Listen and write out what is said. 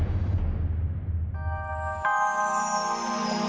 aku nggak tahu gimana caranya